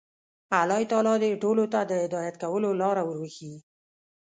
الله تعالی دې ټولو ته د هدایت کولو لاره ور وښيي.